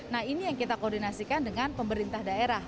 nah ini yang kita koordinasikan dengan pemerintah daerah